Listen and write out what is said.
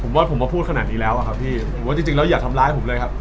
ผมว่าผมมาพูดขนาดนี้แล้วอะครับพี่ผมว่าจริงแล้วอย่าทำร้ายผมเลยครับ